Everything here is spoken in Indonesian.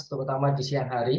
terutama di siang hari